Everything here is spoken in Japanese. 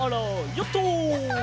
ヨット！